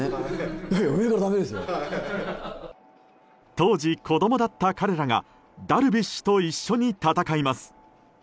当時、子供だった彼らがダルビッシュと一緒に戦います。